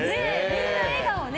みんな笑顔ね。